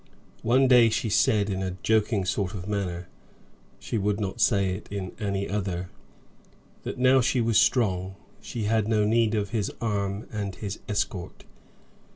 One day she said, in a joking sort of manner she would not say it in any other that now she was strong, she had no need of his arm and his escort.